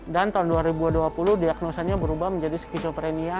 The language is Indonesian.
dan tahun dua ribu dua puluh diagnosanya berubah menjadi skizoprenia